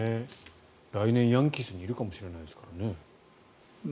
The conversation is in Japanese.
来年、ヤンキースにいるかもしれないですからね。